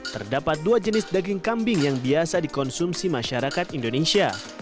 terdapat dua jenis daging kambing yang biasa dikonsumsi masyarakat indonesia